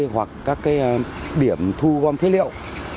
hoặc các điểm thu gom phế liệu